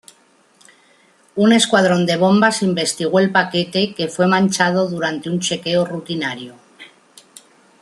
Un escuadrón de bombas investigó el paquete, que fue manchado durante un chequeo rutinario.